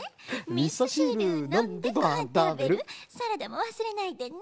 「みそしるのんでごはんたべるサラダもわすれないでね」